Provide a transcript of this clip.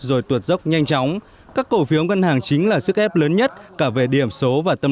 rồi tuột dốc nhanh chóng các cổ phiếu ngân hàng chính là sức ép lớn nhất cả về điểm số và tâm